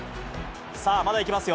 さあ、まだいきますよ。